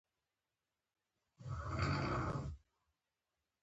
ټولنه د ناورین او نابودۍ کندې ته غورځوي.